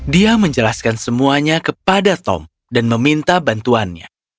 dia menjelaskan semuanya kepada tom dan meminta bantuannya